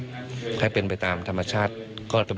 คุณผู้ชมคะและเพื่อนคนสนิทอีก๑คนที่อยู่ในช่วงวาระสุดท้าย